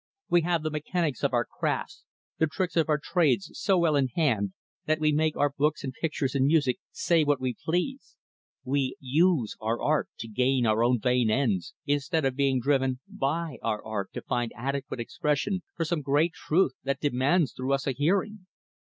We have the mechanics of our crafts, the tricks of our trades, so well in hand that we make our books and pictures and music say what we please. We use our art to gain our own vain ends instead of being driven by our art to find adequate expression for some great truth that demands through us a hearing.